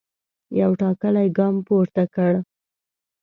یو ټاکلی ګام پورته کړ.